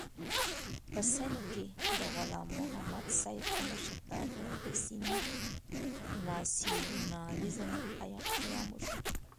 په سېند کې د غلام محمد سید په مشرتابه د سېندي ناسیونالېزم قیام وشو.